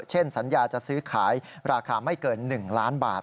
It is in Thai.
สัญญาจะซื้อขายราคาไม่เกิน๑ล้านบาท